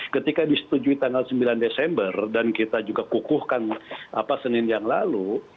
ketika disetujui tanggal sembilan desember dan kita juga kukuhkan senin yang lalu